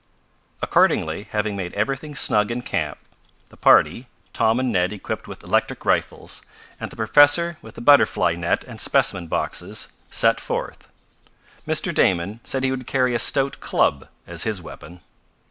Accordingly, having made everything snug in camp, the party, Tom and Ned equipped with electric rifles, and the professor with a butterfly net and specimen boxes, set forth. Mr. Damon said he would carry a stout club as his weapon.